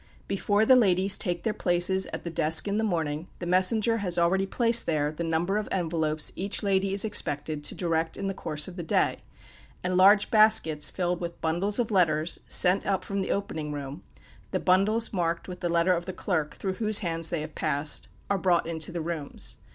Before the ladies take their places at the desk in the morning, the messenger has already placed there the number of envelopes each lady is expected to direct in the course of the day; and large baskets filled with bundles of letters, sent up from the opening room (the bundles marked with the letter of the clerk through whose hands they have passed), are brought into the rooms.